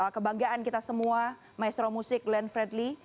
kebanggaan kita semua maestro musik glenn fredly